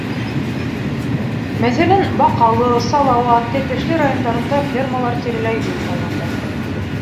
Мәҫәлән, Баҡалы, Салауат, Тәтешле райондарында фермалар тирәләй юл һалғандар.